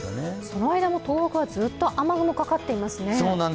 その間も東北はずっと雨雲がかかっていますね。